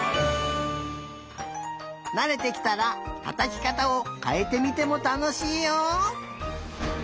なれてきたらたたきかたをかえてみてもたのしいよ！